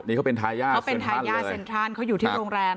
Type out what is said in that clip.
นี่เขาเป็นทายาทเขาเป็นทายาทเซ็นทรัลเขาอยู่ที่โรงแรม